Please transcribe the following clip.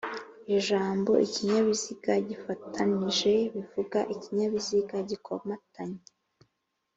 Ijambo ikinyabiziga gifatanije bivuga ikinyabiziga gikomatanye